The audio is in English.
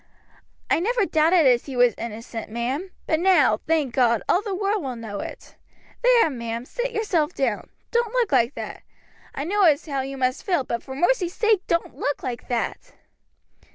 "I never doubted as he was innocent, ma'am; but now, thank God, all the world will know it. There, ma'am, sit yourself down. Don't look like that. I know as how you must feel, but for mercy sake don't look like that."